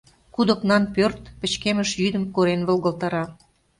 Куд окнан пӧрт пычкемыш йӱдым корен волгалтара.